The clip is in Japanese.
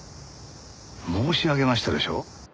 申し上げましたでしょう？